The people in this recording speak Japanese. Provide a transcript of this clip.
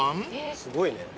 すごいね。